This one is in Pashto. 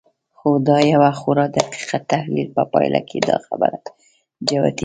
خو د يوه خورا دقيق تحليل په پايله کې دا خبره جوتېږي.